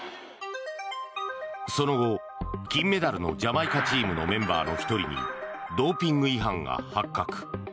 その後、金メダルのジャマイカチームのメンバーの１人にドーピング違反が発覚。